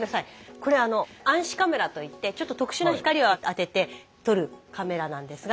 これ暗視カメラといってちょっと特殊な光を当てて撮るカメラなんですが。